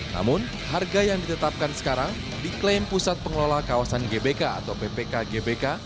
namun harga yang ditetapkan sekarang diklaim pusat pengelola kawasan gbk atau ppk gbk